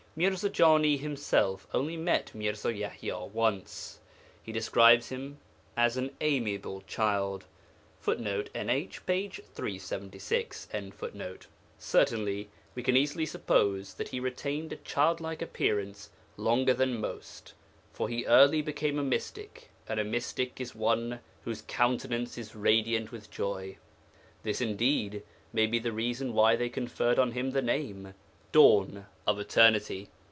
Mirza Jani himself only met Mirza Yaḥya once. He describes him as 'an amiable child.' [Footnote: NH, p. 376.] Certainly, we can easily suppose that he retained a childlike appearance longer than most, for he early became a mystic, and a mystic is one whose countenance is radiant with joy. This, indeed, may be the reason why they conferred on him the name, 'Dawn of Eternity.'